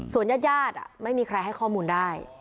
ส่วนญาติยาดไม่มีใครให้ข้อมูลได้